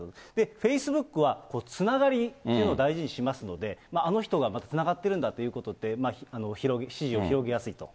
フェイスブックは、つながりっていうのを大事にしますので、あの人がつながってるんだということで、支持を広げやすいと。